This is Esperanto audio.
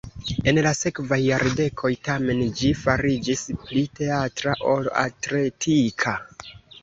En la sekvaj jardekoj, tamen, ĝi fariĝis pli teatra ol atletika.